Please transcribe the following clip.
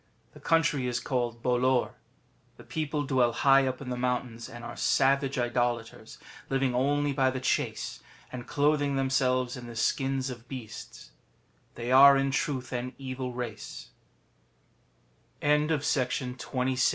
The country is called Bolor. The people dwell high up in the mountains, and are savage Idolaters, living only by the chase, and clothing themselves in the skins of beasts. They are in truth an evil race.